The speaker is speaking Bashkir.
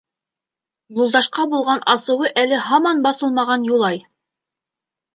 Юлдашҡа булған асыуы әле һаман баҫылмаған Юлай: